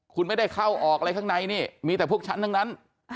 คุณไม่ได้เข้าออกอะไรข้างในนี่มีแต่พวกฉันทั้งนั้น